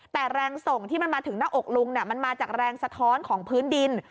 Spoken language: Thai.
แต่แรงส่งที่มันมาถึงหน้าอกลุงมันมาจากแรงสะท้อนของพื้นดิน